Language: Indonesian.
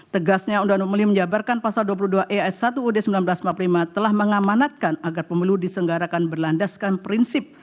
tegasnya undang undang ini menjabarkan pasal dua puluh dua es satu ud seribu sembilan ratus empat puluh lima telah mengamanatkan agar pemilu disenggarakan berlandaskan prinsip